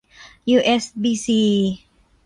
ยูเอสบีซี